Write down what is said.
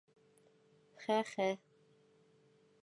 Хә-хә!